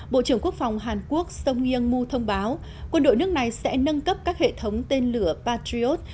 bộ trưởng quốc phòng hàn quốc song yong mu thông báo quân đội nước này sẽ nâng cấp các hệ thống tên lửa patriot